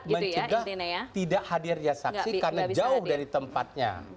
menjaga tidak hadir saksi karena jauh dari tempatnya